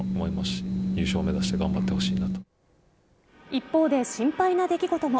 一方で、心配な出来事も。